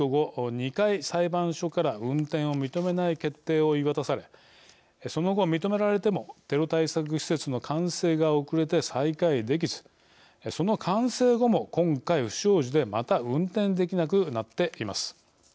２回裁判所から運転を認めない決定を言い渡されその後、認められてもテロ対策施設の完成が遅れて再開できずその完成後も今回、不祥事でまた運転できなくなっています。